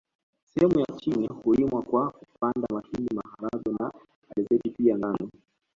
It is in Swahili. Sehemu ya chini hulimwa kwa kupanda mahindi maharagwe na alizeti pia ngano